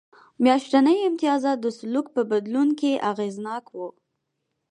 میاشتني امتیازات د سلوک په بدلون کې اغېزناک و